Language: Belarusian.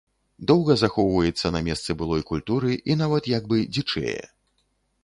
Доўга захоўваецца на месцы былой культуры і нават як бы дзічэе.